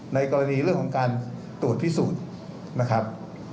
ในกรณีเรื่องของการตรวจพิสูจน์นะครับ